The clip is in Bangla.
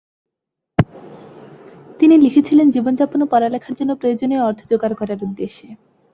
তিনি লিখেছিলেন জীবনযাপন ও পড়ালেখার জন্য প্রয়োজনীয় অর্থ যোগাড় করার উদ্দেশ্যে।